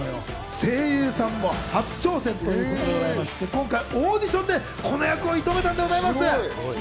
声優さんも初挑戦ということでございまして、今回オーディションでこの役を射止めたんでございます。